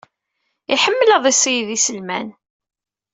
Iḥemmel ad iṣeyyed iselman.